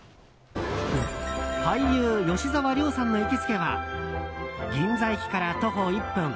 俳優・吉沢亮さんの行きつけは銀座駅から徒歩１分。